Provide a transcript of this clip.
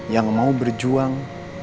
yang mau berjuang